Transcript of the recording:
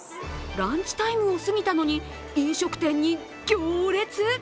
ランチタイムを過ぎたのに飲食店に行列？